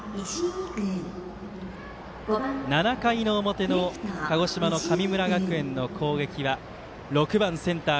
７回の表の鹿児島の神村学園の攻撃は６番センター